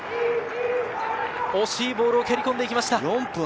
惜しいボール、蹴り込んできました。